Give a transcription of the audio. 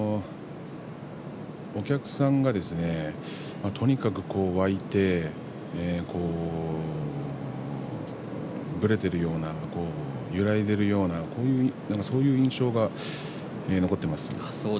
お客さんがですねとにかく沸いてぶれているような揺らいでいるようなそういう印象が残っています。